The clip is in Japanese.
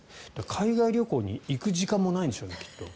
海外旅行に行く時間もないんでしょうね、きっと。